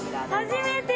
初めて。